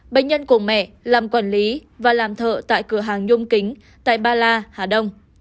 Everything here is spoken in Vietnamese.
bệnh nhân cùng mẹ làm quản lý và làm thợ tại cửa hàng nhôm kính tại ba la hà đông